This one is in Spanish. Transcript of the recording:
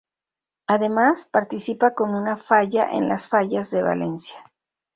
Además, participa con una falla en las Fallas de Valencia.